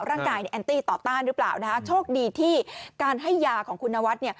ร่างกายแอนตี้ต่อต้านหรือเปล่าโชคดีที่การให้ยาของคุณนวัด